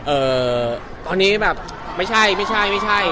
เอ่อตอนนี้แบบไม่ใช่ไม่ใช่ไม่ใช่